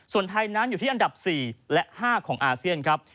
ส่วนไทยนั้นอยู่ที่อันดับ๔และ๕ของอาเซียนครับ